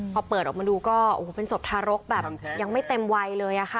พอเปิดออกมาดูก็โอ้โหเป็นศพทารกแบบยังไม่เต็มวัยเลยอะค่ะ